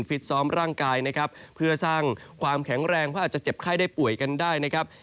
ฟิตซ้อมร่างกายนะครับเพื่อสร้างความแข็งแรงเพราะอาจจะเจ็บไข้ได้ป่วยกันได้นะครับ